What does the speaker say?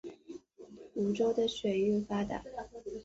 梧州的水运发达。